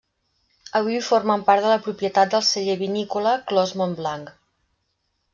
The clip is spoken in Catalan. Avui formen part de la propietat del celler vinícola Clos Mont-Blanc.